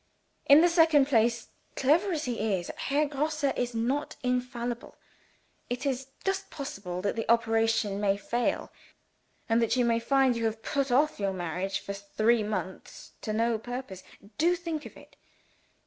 In the second place, clever as he is, Herr Grosse is not infallible. It is just possible that the operation may fail, and that you may find you have put off your marriage for three months, to no purpose. Do think of it!